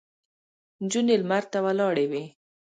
نجونې لمر ته ولاړې وې.